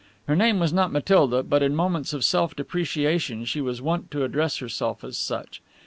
Her name was not Matilda, but in moments of self depreciation she was wont to address herself as such.